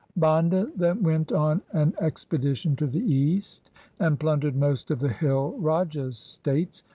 Banda then went on an expedition to the east and plundered most of the hill rajas' states.